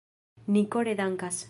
Ni kore dankas.